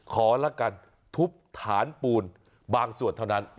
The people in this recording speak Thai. ละกันทุบฐานปูนบางส่วนเท่านั้น